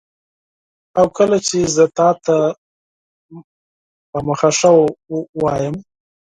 او کله چي زه تاته مخه ښه وایم